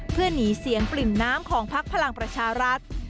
เพื่อหนีเสียงปริ่มน้ำของพักพลังประชารัฐ